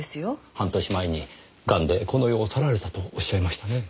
半年前にガンでこの世を去られたとおっしゃいましたね。